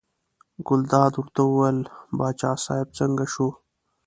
ګلداد ورته وویل باچا صاحب څنګه شو.